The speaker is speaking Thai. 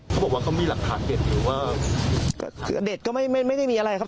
เขาบอกว่าเขามีหลักฐานเด็ดอยู่ว่าคืออเด็ดก็ไม่ได้มีอะไรครับ